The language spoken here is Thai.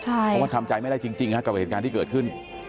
เพราะว่าทำใจไม่ได้จริงกับเหตุการณ์ที่เกิดขึ้น